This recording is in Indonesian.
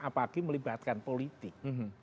apalagi melibatkan politik